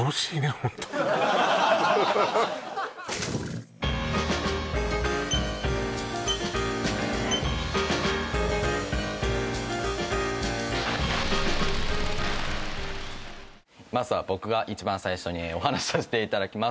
ホントまずは僕が一番最初にお話しさせていただきます